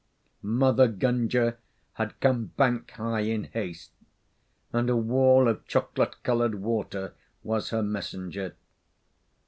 Mother Gunga had come bank high in haste, and a wall of chocolate coloured water was her messenger.